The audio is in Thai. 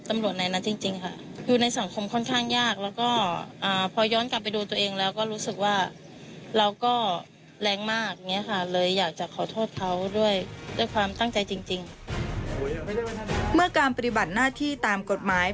เมื่อการปฏิบัติหน้าที่ตามกฎหมาย